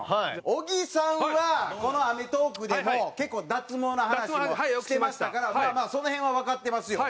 小木さんはこの『アメトーーク』でも結構脱毛の話もしてましたからまあまあその辺はわかってますよ。